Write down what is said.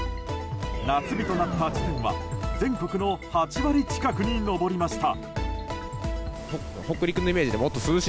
夏日となった地点は全国の８割近くに上りました。